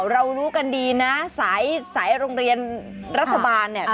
รู้กันดีนะสายโรงเรียนรัฐบาลเนี่ย